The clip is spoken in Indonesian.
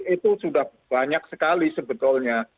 itu sudah banyak sekali sebetulnya